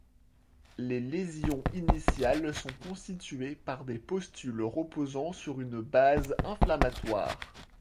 Les lésions initiales sont constituées par des pustules reposant sur une base inflammatoire.